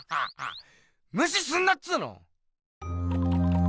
むしすんなっつうの！